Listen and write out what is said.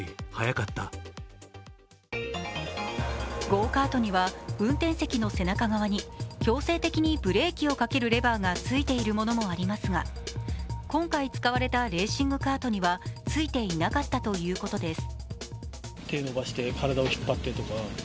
ゴーカートには運転席の背中側に強制的にブレーキをかけるレバーがついているものもありますが、今回使われたレーシングカートにはついていなかったということです。